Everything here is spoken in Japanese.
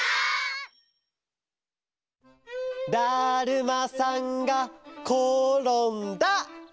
だるまさんがころんだ！